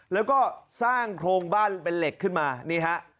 แล้วก็สร้างโครงบ้านเป็นเหล็กขึ้นมานี่ฮะ